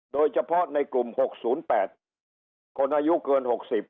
โดยเฉพาะในกลุ่ม๖๐๘คนอายุเกิน๖๐